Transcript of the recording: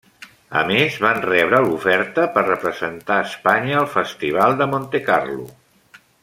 A més van rebre l'oferta per representar Espanya al Festival de Montecarlo.